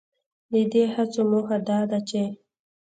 ددې هڅو موخه دا ده چې